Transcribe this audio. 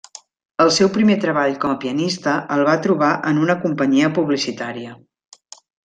El seu primer treball com a pianista el va trobar en una companyia publicitària.